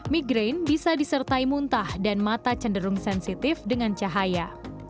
migraine bisa disertai muntah dan mata cenderung sensitif dengan cahaya